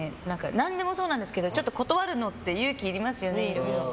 何でもそうなんですけど断るのって勇気いりますよねいろいろ。